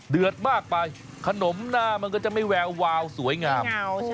เดือดมากไปขนมหน้ามันก็จะไม่แวววาวสวยงาม